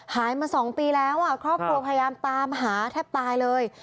หายมา๒ปีแล้วครอบครัวพยายามตามหาแทบตายเลย